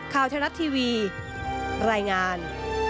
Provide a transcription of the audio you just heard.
ข่าวเทศรัทย์ทีวีรายงาน